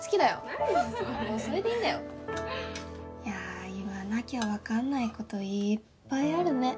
何それいや言わなきゃ分かんないこといっぱいあるね